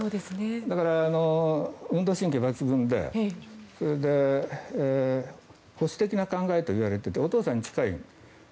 だから運動神経抜群で保守的な考えといわれていてお父さんに近い。